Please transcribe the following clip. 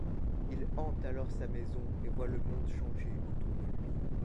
Il hante alors sa maison et voit le monde changer autour de lui.